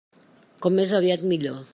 Com més aviat millor.